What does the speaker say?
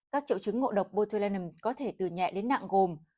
các triệu chứng ngộ độc botellanum có thể từ nhẹ đến nặng gồm